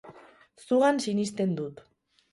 Zugan sinisten dut.